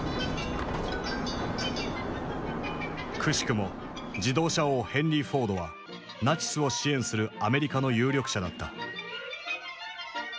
くしくも自動車王ヘンリー・フォードはナチスを支援するアメリカの有力者だった。